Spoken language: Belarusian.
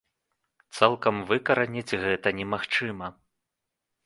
Цалкам выкараніць гэта немагчыма.